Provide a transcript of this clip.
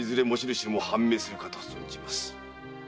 持ち主も判明するかと。